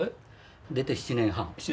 出て７年半。